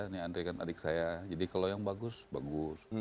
ini andre kan adik saya jadi kalau yang bagus bagus